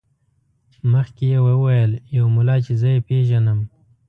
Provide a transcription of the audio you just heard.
مخکې یې وویل یو ملا چې زه یې پېژنم.